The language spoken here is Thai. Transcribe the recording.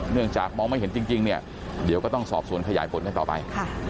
จากมองไม่เห็นจริงเนี่ยเดี๋ยวก็ต้องสอบสวนขยายผลกันต่อไป